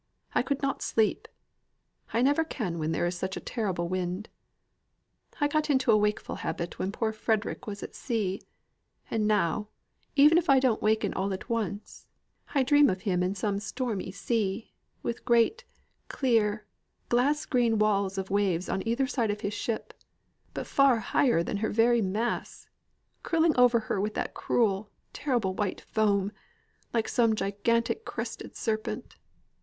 I could not sleep. I never can when there is such a terrible wind. I got into a wakeful habit when poor Frederick was at sea; and now, even if I don't waken all at once, I dream of him in some stormy sea, with great, clear, glass green walls of waves on either side his ship, but far higher than her very masts, curling over her with that cruel, terrible white foam, like some gigantic crested serpent.